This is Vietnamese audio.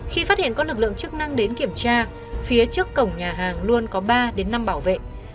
khi phát hiện có lực lượng chức năng đến kiểm tra phía trước cổng nhà hàng luôn có ba đến năm bảo vệ